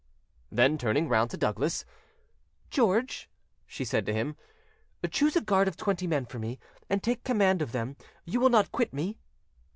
Then, turning round to Douglas "George," she said to him, "choose a guard of twenty men for me, and take command of them: you will not quit me."